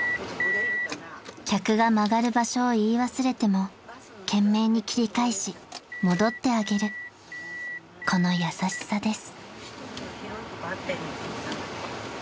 ［客が曲がる場所を言い忘れても懸命に切り返し戻ってあげるこの優しさです］